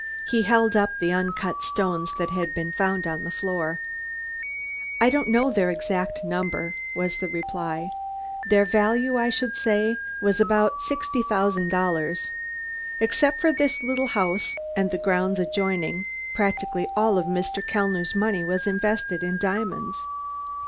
He held up the uncut stones that had been found on the floor. "I don't know their exact number," was the reply. "Their value, I should say, was about sixty thousand dollars. Except for this little house, and the grounds adjoining, practically all of Mr. Kellner's money was invested in diamonds.